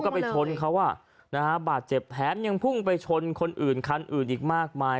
ก็ไปชนเขาอ่ะนะฮะบาดเจ็บแถมยังพุ่งไปชนคนอื่นคันอื่นอีกมากมาย